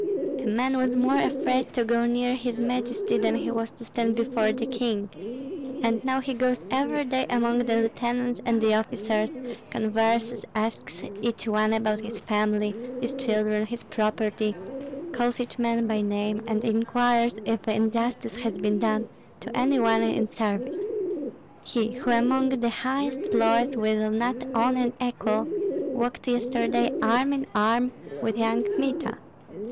A man was more afraid to go near his majesty than he was to stand before the king; and now he goes every day among the lieutenants and the officers, converses, asks each one about his family, his children, his property, calls each man by name, and inquires if injustice has been done to any one in service. He who among the highest lords will not own an equal, walked yesterday arm in arm with young Kmita.